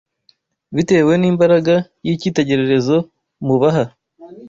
bitewe n’imbaraga y’icyitegererezo mubaha